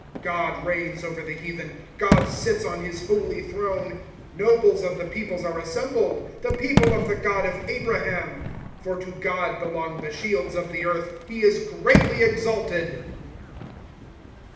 ^ God reigns over the heathen ; God sits on his holy throne. ^ Kobles of the peoples are assembled. The people of the God of Abraham. For to God belong the shields of the earth; He is greatly exalted.